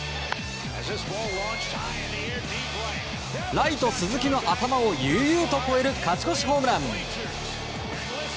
ライト鈴木の頭を悠々と越える勝ち越しホームラン！